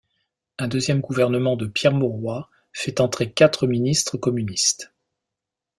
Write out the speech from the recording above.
Un deuxième gouvernement de Pierre Mauroy fait entrer quatre ministres communistes.